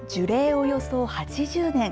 およそ８０年。